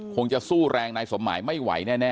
พันให้หมดตั้ง๓คนเลยพันให้หมดตั้ง๓คนเลย